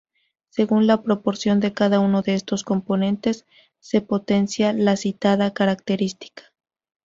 Según la proporción de cada uno de estos componentes, se potencia la citada característica.